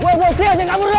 woi bocil jalan kabur dulu